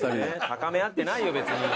高め合ってないよ別に。